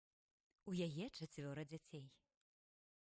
У яе чацвёра дзяцей.